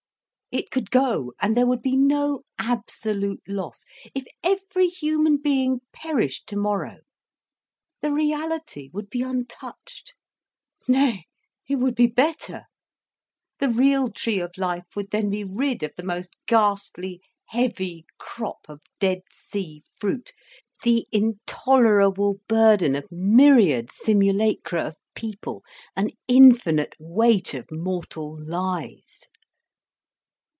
It could go, and there would be no absolute loss, if every human being perished tomorrow. The reality would be untouched. Nay, it would be better. The real tree of life would then be rid of the most ghastly, heavy crop of Dead Sea Fruit, the intolerable burden of myriad simulacra of people, an infinite weight of mortal lies."